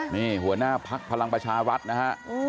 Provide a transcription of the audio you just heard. นี่หัวหน้าภักดิ์พลังประชารัฐนะฮะ